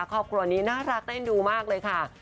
ครอบครัวนี้น่ารักเต้นดูมากเลยค่ะ